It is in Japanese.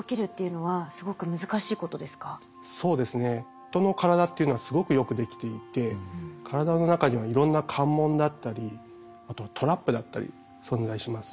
人の体っていうのはすごくよくできていて体の中にはいろんな関門だったりあとはトラップだったり存在します。